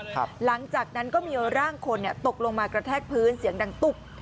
หลังจากนั้นก็มีร่างคนตกลงมากระแทกพื้นเสียงดังตุ๊บ